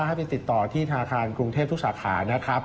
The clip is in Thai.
ให้ไปติดต่อที่ธนาคารกรุงเทพทุกสาขานะครับ